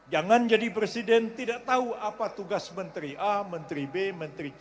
jangan jadi presiden tidak tahu apa tugas menteri a menteri b menteri c